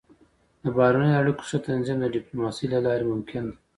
د بهرنیو اړیکو ښه تنظیم د ډيپلوماسۍ له لارې ممکن دی.